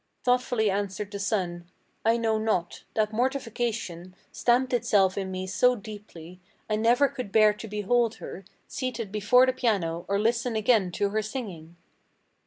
Thoughtfully answered the son: "I know not. That mortification Stamped itself in me so deeply, I never could bear to behold her Seated before the piano or listen again to her singing."